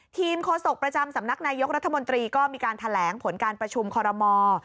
โฆษกประจำสำนักนายกรัฐมนตรีก็มีการแถลงผลการประชุมคอรมอล์